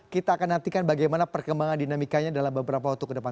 kita akan nantikan bagaimana perkembangan dinamikanya dalam beberapa waktu ke depan